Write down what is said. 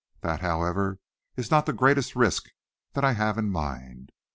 That, however, is not the greatest risk that I have in mind.